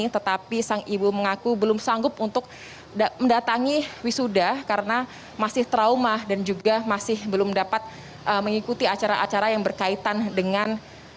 tetapi sang ibu mengaku belum sanggup untuk mendatangi wisuda karena masih trauma dan juga masih belum dapat mengikuti acara acara yang berkaitan dengan